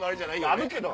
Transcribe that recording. あるけど！